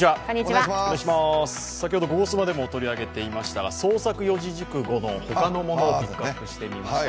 先ほど「ゴゴスマ」でも取り上げていましたが、創作四字熟語の他のものをピックアップしてみました。